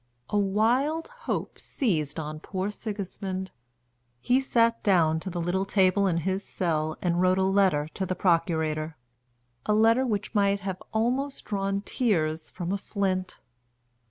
A wild hope seized on poor Sigismund; he sat down to the little table in his cell and wrote a letter to the procurator a letter which might almost have drawn tears from a flint.